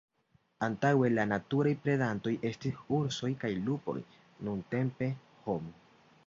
Antaŭe la naturaj predantoj estis ursoj kaj lupoj; nuntempe homo.